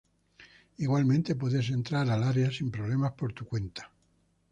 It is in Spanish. Igualmente puedes entrar al área sin problema por tu cuenta.